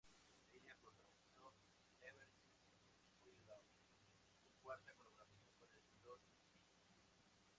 Ella protagonizó "Ever Since We Love", su cuarta colaboración con el director Li Yu.